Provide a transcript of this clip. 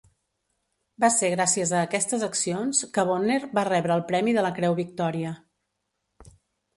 Va ser gràcies a aquestes accions que Bonner va rebre el premi de la Creu Victòria.